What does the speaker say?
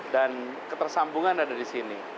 dan ketersambungan ada di sini